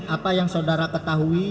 apa yang saudara ketahui